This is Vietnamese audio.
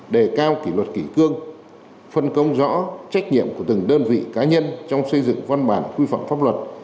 đề cao kỷ luật kỷ cương phân công rõ trách nhiệm của từng đơn vị cá nhân trong xây dựng văn bản quy phạm pháp luật